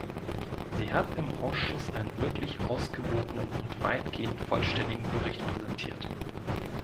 Sie hat im Ausschuss einen wirklich ausgewogenen und weitgehend vollständigen Bericht präsentiert.